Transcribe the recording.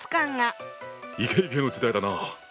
イケイケの時代だな。